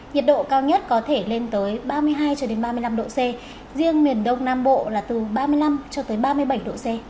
nhiệt độ cao nhất có thể lên tới ba mươi hai cho đến ba mươi năm độ c riêng miền đông nam bộ là từ ba mươi năm cho tới ba mươi bảy độ c